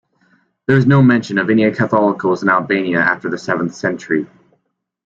There is no mention of any catholicos in Albania after the seventh century.